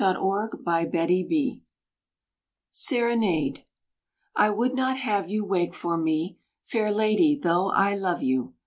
SONGS FOR MUSIC SERENADE. I would not have you wake for me, Fair lady, though I love you!